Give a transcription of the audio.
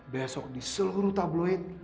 besok di seluruh tabloid